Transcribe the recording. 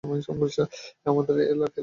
আমাকে আর লজ্জা দিয়ো না।